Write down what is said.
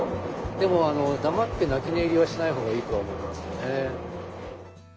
でも黙って泣き寝入りはしない方がいいとは思いますよね。